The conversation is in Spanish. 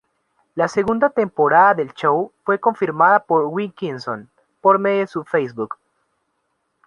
La segunda temporada del show fue confirmada por Wilkinson, por medio de su Facebook.